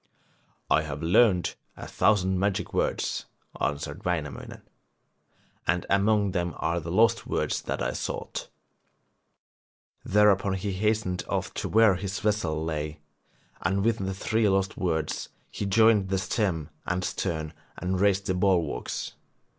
'I have learned a thousand magic words,' answered Wainamoinen, 'and among them are the lost words that I sought.' Thereupon he hastened off to where his vessel lay, and with the three lost words he joined the stem and stern and raised the bulwarks.